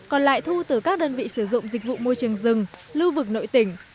còn lại thu từ các đơn vị sử dụng dịch vụ môi trường rừng lưu vực nội tỉnh